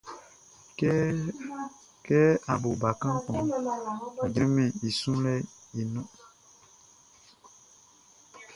Kɛ a bo bakan kunʼn, a jranmɛn i sunlɛʼn i ɲrun.